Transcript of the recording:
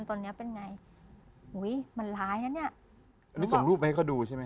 ถูกรูปไหมก็ดูใช่ไหม